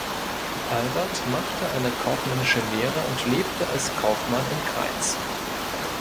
Albert machte eine kaufmännische Lehre und lebte als Kaufmann in Greiz.